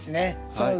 その上。